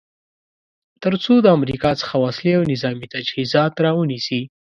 تر څو د امریکا څخه وسلې او نظامې تجهیزات را ونیسي.